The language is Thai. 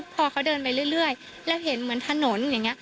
พอเขาเดินไปเรื่อยแล้วเห็นเหมือนถนนอย่างนี้